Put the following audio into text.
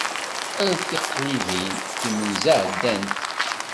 Ar tiqlibin, timenza ɛeddant!